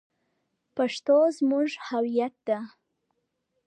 پښتو زمونږ هویت ده